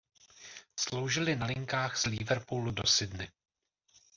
Sloužily na linkách z Liverpoolu do Sydney.